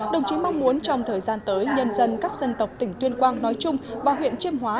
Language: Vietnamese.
đồng chí mong muốn trong thời gian tới nhân dân các dân tộc tỉnh tuyên quang nói chung và huyện chiêm hóa